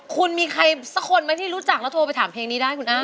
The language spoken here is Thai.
คุณมีใครสักคนไหมที่รู้จักแล้วโทรไปถามเพลงนี้ได้คุณอ้ำ